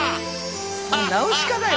これ「ナウシカ」だよ